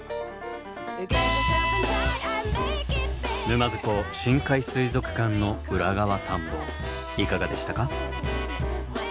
沼津港深海水族館の裏側探訪いかがでしたか？